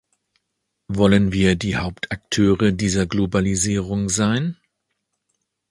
Wollen wir die Hauptakteure dieser Globalisierung sein?